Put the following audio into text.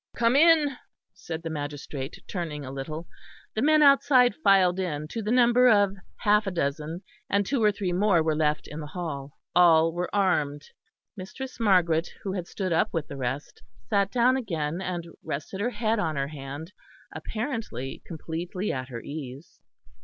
"Come in," said the magistrate, turning a little. The men outside filed in, to the number of half a dozen, and two or three more were left in the hall. All were armed. Mistress Margaret who had stood up with the rest, sat down again, and rested her head on her hand; apparently completely at her ease.